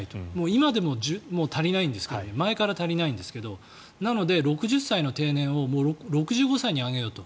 今でも、もう足りないんですけど前から足りないんですけどなので６０歳の定年をもう６５歳に上げようと。